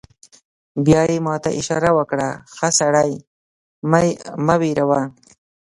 بیا یې ما ته اشاره وکړه: ښه سړی، مه وېرېږه.